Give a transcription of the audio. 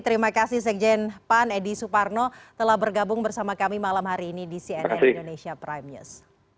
terima kasih sekjen pan edi suparno telah bergabung bersama kami malam hari ini di cnn indonesia prime news